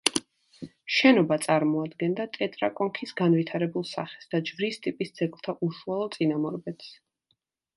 შენობა წარმოადგენდა ტეტრაკონქის განვითარებულ სახეს და ჯვრის ტიპის ძეგლთა უშუალო წინამორბედს.